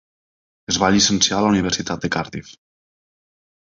Es va llicenciar a la Universitat de Cardiff.